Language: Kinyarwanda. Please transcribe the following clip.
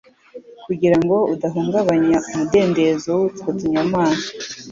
kugira ngo udahungabanya umudendezo w'utwo tunyamaswa